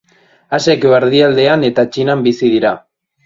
Asiako erdialdean eta Txinan bizi dira.